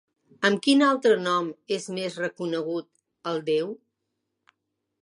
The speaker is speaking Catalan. Amb quin altre nom és més reconegut el déu?